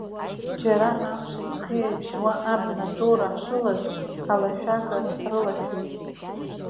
Џьара, амши ҵхи еиԥшьуа абна тоура ҳшылаз, алашәага ҳрылашәеит.